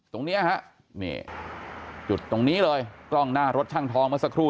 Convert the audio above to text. ตรงนี้ฮะนี่จุดตรงนี้เลยกล้องหน้ารถช่างทองเมื่อสักครู่